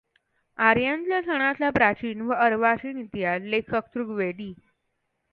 आर्यांच्या सणांचा प्राचीन व अर्वाचीन इतिहास लेखक ऋग्वेदी